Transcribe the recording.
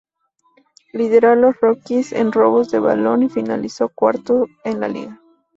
Lideró a los rookies en robos de balón y finalizó cuarto en la liga.